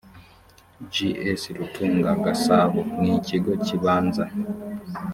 g s rutunga gasabo nikigo kibanza